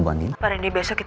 kecuali apa apa apa invece sikit